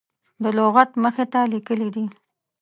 د لغت مخې ته لیکلي دي.